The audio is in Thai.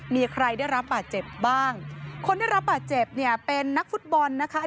มีใครได้รับบาดเจ็บบ้างคนได้รับบาดเจ็บเนี่ยเป็นนักฟุตบอลนะคะ